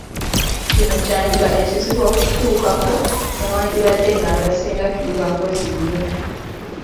Kino kyandiba ekizibu okutuukako newankubadde nga abasinga tuli bakozi nnyo.